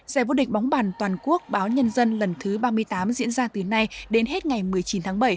giải vô địch bóng bàn toàn quốc báo nhân dân lần thứ ba mươi tám diễn ra từ nay đến hết ngày một mươi chín tháng bảy